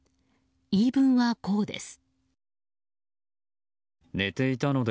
言い分は、こうです。